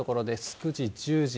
９時、１０時。